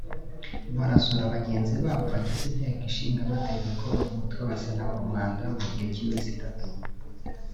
barasura bagenzi babo bagize Inteko Ishinga Amategeko umutwe wa Sena mu Rwanda mu gihe cy’iminsi itatu